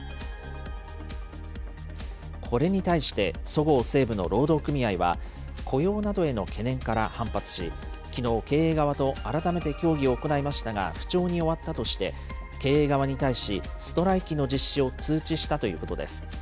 これに対して、そごう・西武の労働組合は、雇用などへの懸念から反発し、きのう、経営側と改めて協議を行いましたが、不調に終わったとして、経営側に対し、ストライキの実施を通知したということです。